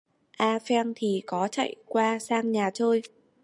Apheng thì có chạy qua sang nhà chơi